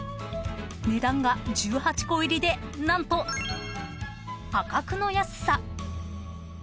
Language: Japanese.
［値段が１８個入りで何と破格の安さ］